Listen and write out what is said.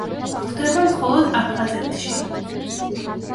გვხვდება მხოლოდ აფხაზეთში.